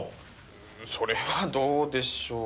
それはどうでしょう。